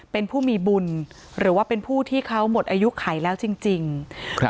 เป็นผู้มีบุญหรือว่าเป็นผู้ที่เขาหมดอายุไขแล้วจริงจริงครับ